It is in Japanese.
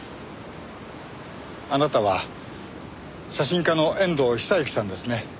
あなたは写真家の遠藤久幸さんですね？